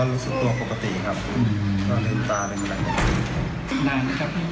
นานนี้ครับพี่คุณพยาบาล